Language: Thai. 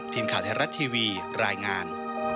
ทีมข่าวไทยรัฐทีวีรายงาน